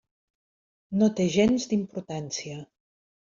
No té gens d'importància.